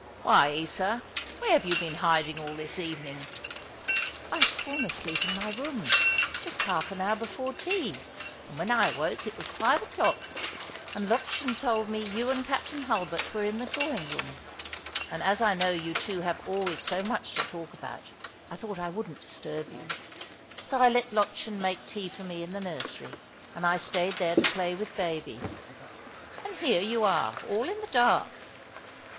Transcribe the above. " Why, Isa, where have you been hiding all this evening?" " I had fallen asleep in my room, just half an hour before tea, and when I awoke it was five o'clock, and Lottchen told me you and Captain Hulbert were in the drawing room. And as 1 know you two have always so much to talk about, I thought I wouldn't disturb you. So I let Lottchen make tea for me in the nursery, and I stayed there to play with baby. And here you are all in the dark."